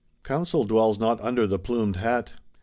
Counsel dwells not under the plumed hat.